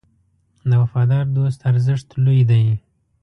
د وفادار دوست ارزښت لوی دی.